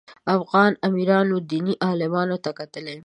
افغان امیرانو دیني عالمانو ته کتلي.